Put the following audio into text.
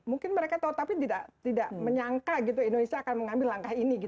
mungkin mereka tahu tapi tidak menyangka gitu indonesia akan mengambil langkah ini